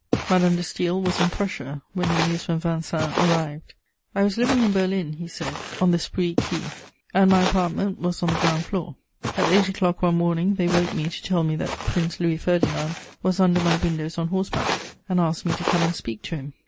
Madame de Staël was in Prussia when the news from Vincennes arrived: "I was living in Berlin," he said, "on the Spree Quay, and my apartment was on the ground floor. At eight o'clock one morning, they woke me to tell me that Prince Louis Ferdinand was under my windows on horse back, and asked me to come and speak to him....